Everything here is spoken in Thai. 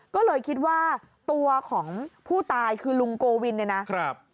ก็เลยคิดว่าตัวของผู้ตายคือลุงโกวินเนี่ยนะครับ